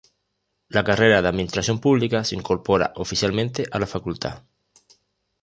La carrera de administración pública, se incorpora oficialmente a la facultad.